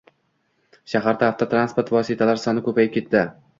Shaharda avtotransport vositalar soni ko‘payib ketdi.